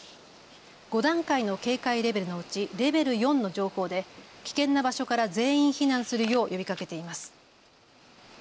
５段階の警戒レベルのうちレベル４の情報で危険な場所から全員避難するよう呼びかけています。